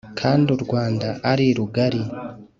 Kandi u Rwanda ari rugari!